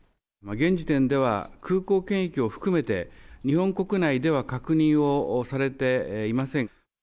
現時点では空港検疫を含めて、日本国内では確認をされていません。